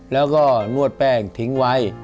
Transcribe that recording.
แล้วก็นวดแป้งทิ้งไว้